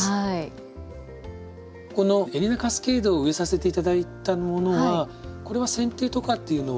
このエリナカスケードを植えさせて頂いたものはこれはせん定とかっていうのは？